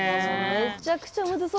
めちゃくちゃむずそうですもん。